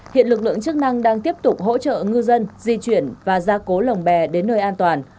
hiện lực lượng chức năng đang tiếp tục hỗ trợ ngư dân di chuyển và gia cố lồng bè đến nơi an toàn